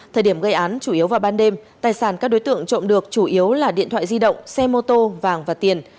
thời điểm gây án chủ yếu vào ban đêm tài sản các đối tượng trộm được chủ yếu là điện thoại di động xe mô tô vàng và tiền